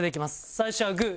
最初はグー！